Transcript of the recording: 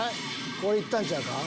これ行ったんちゃうか？